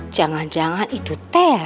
jangan jangan itu teh